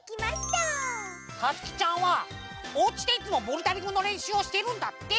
たつきちゃんはおうちでいつもボルダリングのれんしゅうをしているんだって！